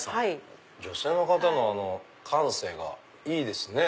女性の方の感性がいいですね。